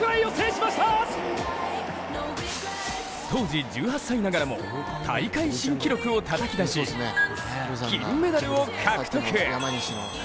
当時１８歳ながらも大会新記録をたたき出し、金メダルを獲得。